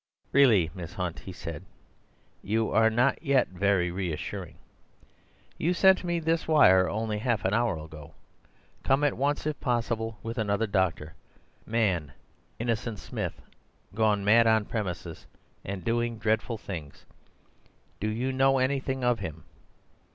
"Really, Miss Hunt," he said, "you are not yet very reassuring. You sent me this wire only half an hour ago: 'Come at once, if possible, with another doctor. Man—Innocent Smith—gone mad on premises, and doing dreadful things. Do you know anything of him?